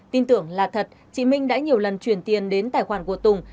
tin tưởng là thật chị minh đã nhiều lần chuyển tiền đến tài khoản của tùng